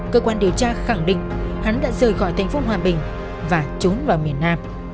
cơ quan điều tra khẳng định hắn đã rời khỏi thành phố hòa bình và trốn vào miền nam